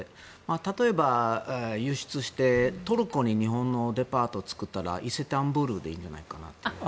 例えば、輸出してトルコに日本のデパートを作ったら伊勢丹ブールでいいんじゃないかなと。